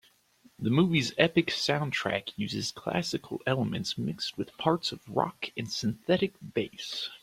The movie's epic soundtrack uses classical elements mixed with parts of rock and synthetic bass.